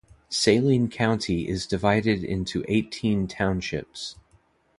Saline County is divided into eighteen townships.